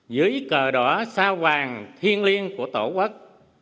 dưới cờ đỏ sao vàng thiên liêng của tổ quốc